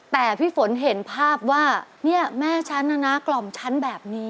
แต่พี่ฝนเห็นภาพว่าเนี่ยแม่ฉันน่ะนะกล่อมฉันแบบนี้